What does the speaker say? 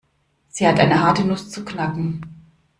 Sie hat eine harte Nuss zu knacken.